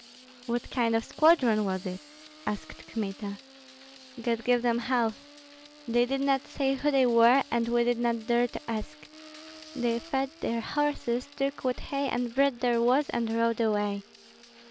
"What kind of a squadron was it?" asked Kmita. "God give them health! They did not say who they were, and we did not dare to ask. They fed their horses, took what hay and bread there was, and rode away."